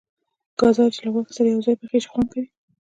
گازرې چې له غوښې سره یو ځای پخې شي خوند کوي.